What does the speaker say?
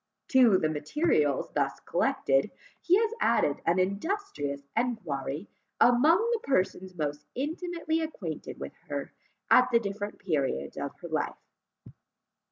To the materials thus collected, he has added an industrious enquiry among the persons most intimately acquainted with her at the different periods of her life.